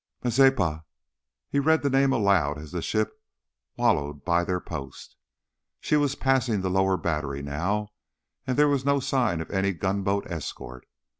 "Mazeppa," he read the name aloud as the ship wallowed by their post. She was passing the lower battery now, and there was no sign of any gunboat escort.